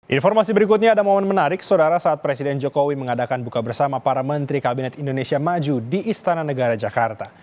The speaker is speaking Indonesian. informasi berikutnya ada momen menarik saudara saat presiden jokowi mengadakan buka bersama para menteri kabinet indonesia maju di istana negara jakarta